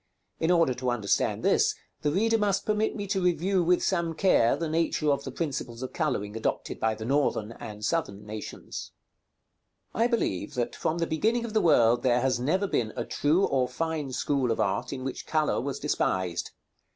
In order to understand this, the reader must permit me to review with some care the nature of the principles of coloring adopted by the Northern and Southern nations. § XLIII. I believe that from the beginning of the world there has never been a true or fine school of art in which color was despised.